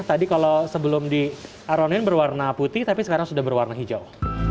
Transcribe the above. tadi kalau sebelum diaronin berwarna putih tapi sekarang sudah berwarna hijau